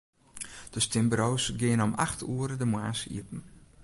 De stimburo's geane om acht oere de moarns iepen.